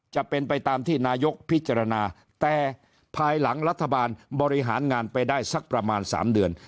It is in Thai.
จะเป็นไปตามที่นายกพิจารณาแต่ภายหลังรัฐบาลบริหารงานไปได้สักประมาณ๓เดือน